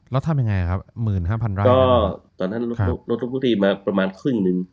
แล้วทำยังไงครับ๑๕๐๐ไร่ก็ตอนนั้นลดทุกบุรีมาประมาณครึ่งหนึ่ง